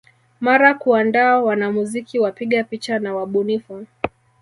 Mara kuandaa wanamuziki wapiga picha na wabunifu